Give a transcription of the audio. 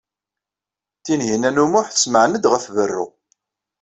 Tinhinan u Muḥ tessemɛen-d ɣef berru.